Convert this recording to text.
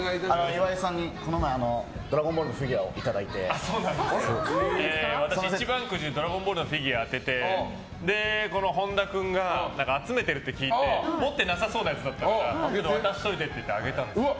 岩井さんにこの前「ドラゴンボール」のフィギュアを私、一番くじで「ドラゴンボール」のフィギュアを当てて本田君が集めてるって聞いて持ってなさそうなやつだったから渡しといてってあげたんですよ。